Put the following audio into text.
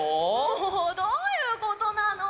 もうどういうことなの！